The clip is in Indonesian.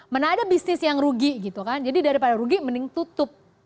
mana ada bisnis yang rugi gitu kan jadi daripada rugi mending tutup